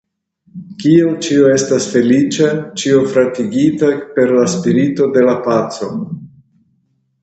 Kiel ĉio estas feliĉa, ĉio fratigita per la spirito de la paco!